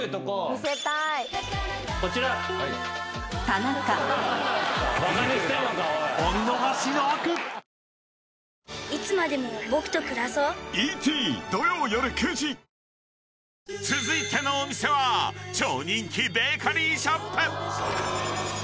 サントリー［続いてのお店は超人気ベーカリーショップ］